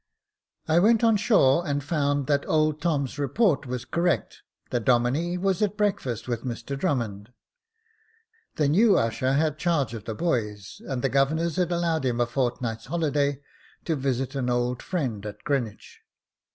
I went on shore, and found that old Tom's report was correct — the Domine was at breakfast with Mr Drummond. The new usher had charge of the boys, and the governors had allowed him a fortnight's holiday to visit an old friend at Greenwich.